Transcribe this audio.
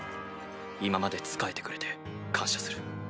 今まで仕えてくれて感謝する。